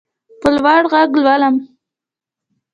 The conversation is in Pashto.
په لوړ غږ لولم.